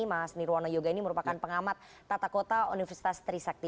mas nirwana yoga ini merupakan pengamat tata kota universitas trisakti